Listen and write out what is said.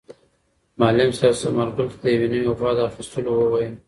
معلم صاحب ثمر ګل ته د یوې نوې غوا د اخیستلو وویل.